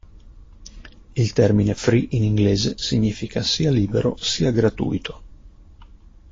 Il termine free in inglese significa sia libero sia gratuito.